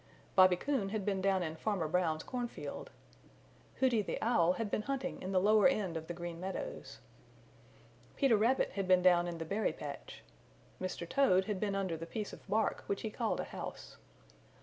Bobby Coon had been down in Farmer Brown's cornfield. Hooty the Owl had been hunting in the lower end of the Green Meadows. Peter Rabbit had been down in the berry patch. Mr. Toad had been under the piece of bark which he called a house.